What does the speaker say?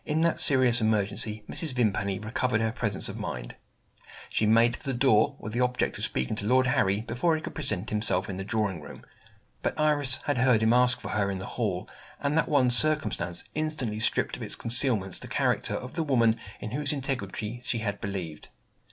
In that serious emergency, Mrs. Vimpany recovered her presence of mind. She made for the door, with the object of speaking to Lord Harry before he could present himself in the drawing room. But Iris had heard him ask for her in the hall; and that one circumstance instantly stripped of its concealments the character of the woman in whose integrity she had believed.